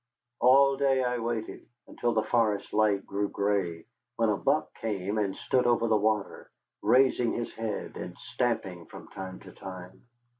All day I waited, until the forest light grew gray, when a buck came and stood over the water, raising his head and stamping from time to time.